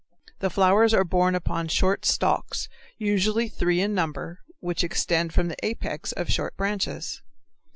The flowers are borne upon short stalks, usually three in number, which extend from the apex of short branches.